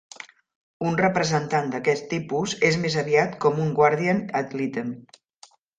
Un representant d'aquest tipus és més aviat com un "guardian ad litem".